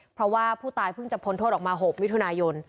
เพราะว่าผู้ตายเพิ่งจะพ้นโทษออกมา๖มิถุนายน